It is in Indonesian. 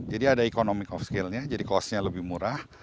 jadi ada economic of skill nya jadi cost nya lebih murah